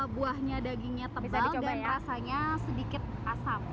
buahnya dagingnya tebal dan rasanya sedikit asam